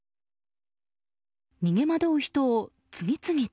逃げ惑う人を次々と。